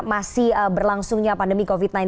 masih berlangsungnya pandemi covid sembilan belas